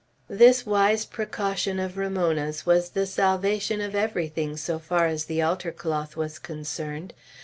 This wise precaution of Ramona's was the salvation of everything, so far as the altar cloth was concerned.